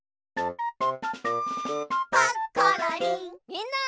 みんな！